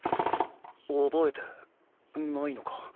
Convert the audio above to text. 覚えてないのか？